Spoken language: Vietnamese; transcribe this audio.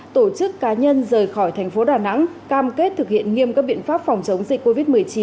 tổ chức cá nhân rời khỏi tp đà nẵng cam kết thực hiện nghiêm cấp biện pháp phòng chống dịch covid một mươi chín